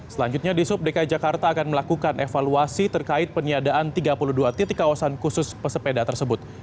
selanjutnya di sub dki jakarta akan melakukan evaluasi terkait peniadaan tiga puluh dua titik kawasan khusus pesepeda tersebut